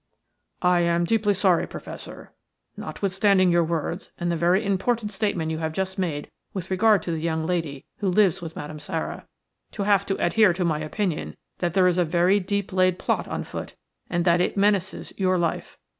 "I am deeply sorry, Professor, notwithstanding your words and the very important statement you have just made with regard to the young lady who lives with Madame Sara, to have to adhere to my opinion that there is a very deep laid plot on foot, and that it menaces your life.